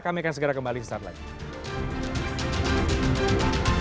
kami akan segera kembali setelah itu